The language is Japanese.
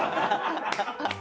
ハハハハ！